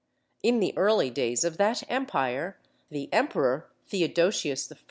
In the early days of that Empire, the Emperor Theodosius I.